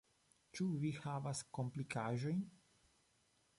Ĉu vi havas komplikaĵojn?